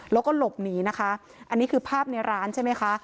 แล้วก็หลบหนีนะคะอันนี้คือภาพในร้านใช่ไหมคะ